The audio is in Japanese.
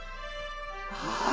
はい。